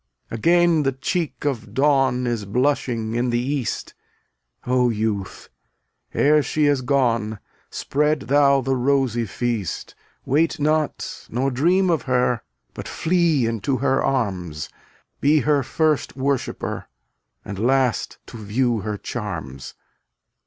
251 Again the cheek of Dawn Is blushing in the east. O youth! ere she is gone, Spread thou the rosy feast. Wait not, nor dream of her, But flee into her arms; Be her first worshipper And last to view her charms.